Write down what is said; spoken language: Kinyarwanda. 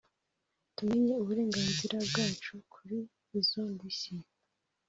tumenye uburenganzira bwacu kuri izo ndishyi